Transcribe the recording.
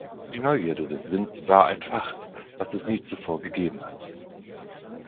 Die Neugierde des Winds war entfacht, was es nie zuvor gegeben hat.